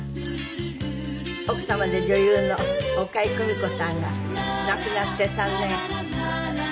奥様で女優の岡江久美子さんが亡くなって３年。